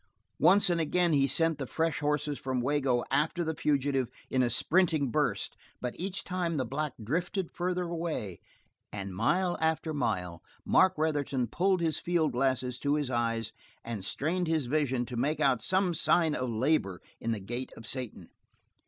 Once and again he sent the fresh horses from Wago after the fugitive in a sprinting burst, but each time the black drifted farther away, and mile after mile Mark Retherton pulled his field glasses to his eyes and strained his vision to make out some sign of labor in the gait of Satan.